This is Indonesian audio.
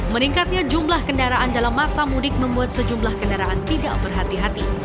meningkatnya jumlah kendaraan dalam masa mudik membuat sejumlah kendaraan tidak berhati hati